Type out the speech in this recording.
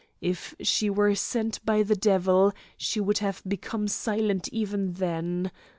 If she were sent by the devil, she would have become silent even then.